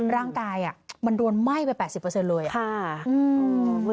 ร่างกายมันโดนไหม้ไป๘๐เลย